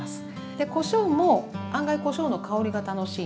でこしょうも案外こしょうの香りが楽しいので。